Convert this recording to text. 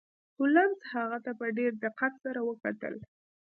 هولمز هغه ته په ډیر دقت سره وکتل.